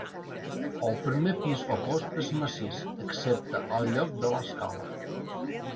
El primer pis o cos és massís, excepte al lloc de l'escala.